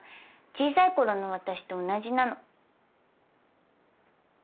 小さいころの私と同じなの。